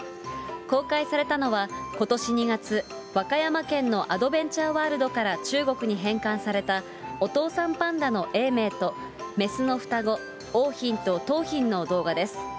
公開されたのはことし２月、和歌山県のアドベンチャーワールドから中国に返還されたお父さんパンダの永明と、雌の双子、桜浜と桃浜の動画です。